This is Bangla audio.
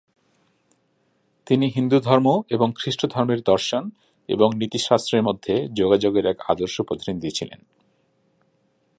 তিনি হিন্দুধর্ম এবং খ্রিস্ট ধর্মের দর্শন এবং নীতিশাস্ত্রের মধ্যে যোগাযোগের এক আদর্শ প্রতিনিধি ছিলেন।